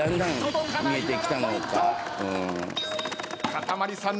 かたまりさん